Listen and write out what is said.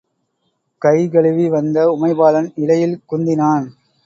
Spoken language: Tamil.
கை கழுவி வந்த உமைபாலன் இலையில் குந்தினான்.